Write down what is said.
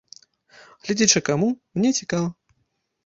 Гледзячы каму, мне цікава.